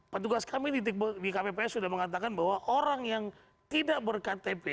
petugas kami di kpps sudah mengatakan bahwa orang yang tidak berktp